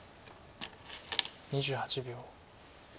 ２８秒。